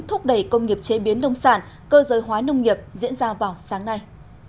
thúc đẩy công nghiệp chế biến nông sản cơ giới hóa nông nghiệp diễn ra vào sáng nay